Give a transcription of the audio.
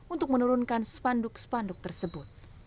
untuk menurunkan spanduk spanduk tersebut